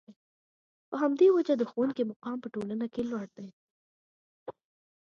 په همدې وجه د ښوونکي مقام په ټولنه کې لوړ دی.